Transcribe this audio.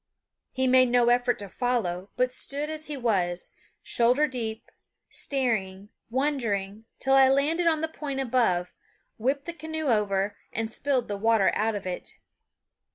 He made no effort to follow, but stood as he was, shoulder deep, staring, wondering, till I landed on the point above, whipped the canoe over, and spilled the water out of it.